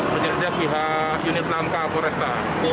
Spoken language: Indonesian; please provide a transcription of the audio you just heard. penyelidikan pihak unit lanka foresta